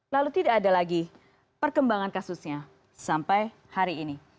lalu tidak ada lagi perkembangan kasusnya sampai hari ini